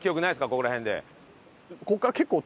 ここら辺で。